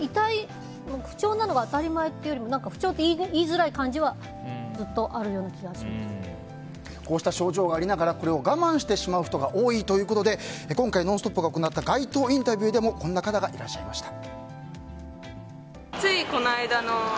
不調なのが当たり前というより不調って言いづらい空気がこうした症状がありながらこれを我慢してしまう人が多いということで今回「ノンストップ！」が行った街頭インタビューでもこんな方がいらっしゃいました。